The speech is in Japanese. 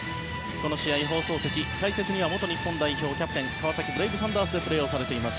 この試合、放送席解説には元日本代表キャプテン川崎ブレイブサンダースでプレーされています